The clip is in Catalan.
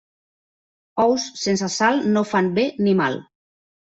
Ous sense sal no fan bé ni mal.